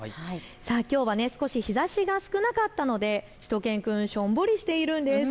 きょうは少し日ざしが少なかったのでしゅと犬くん、しょんぼりしているんです。